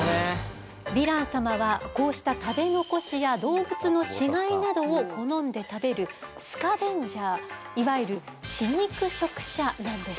ヴィラン様はこうした食べ残しや動物の死骸などを好んで食べるスカベンジャーいわゆる死肉食者なんです。